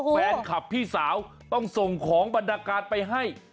แฟนคลับพี่สาวต้องส่งของบรรดาการไปให้